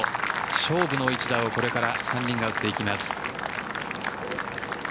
勝負の一打をこれから３人が打っていきます。